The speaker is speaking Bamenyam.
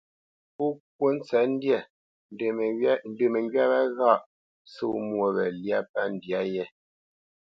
Pó kwó ntsə̌tndyâ, ndə məŋgywá wâ ghâʼ só mwô wě lyá pə́ ndyâ yē.